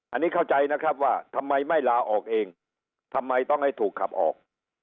อันนี้เข้าใจนะครับว่าทำไมไม่ลาออกเองทำไมต้องให้ถูกขับออก